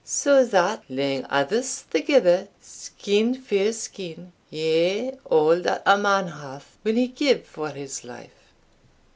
Sae that, laying a' this thegither skin for skin, yea all that a man hath, will he give for his life."